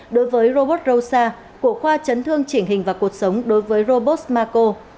đối với robot rosa của khoa chấn thương chỉnh hình và cuộc sống đối với robot maco